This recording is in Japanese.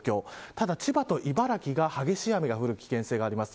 ただ、千葉と茨城が激しい雨が降る危険性があります。